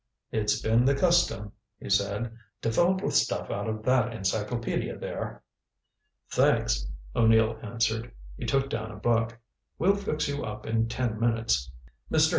"It's been the custom," he said, "to fill up with stuff out of that encyclopedia there." "Thanks," O'Neill answered. He took down a book. "We'll fix you up in ten minutes. Mr.